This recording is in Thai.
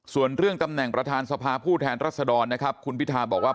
ส่วนเรื่องตำแหน่งประธานสภาผู้แทนรัศดรนะครับคุณพิทาบอกว่า